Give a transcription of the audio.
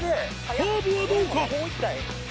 カーブはどうか？